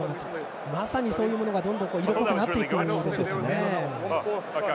まさに、そういうものがどんどん色濃くなっていきますか。